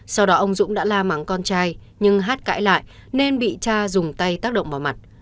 sau đó ông dũng đã la mắng con trai nhưng hát cãi lại nên bị cha dùng tay tác động vào mặt